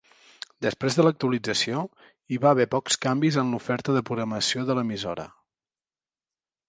Després de l'actualització, hi va haver pocs canvis en l'oferta de programació de l'emissora.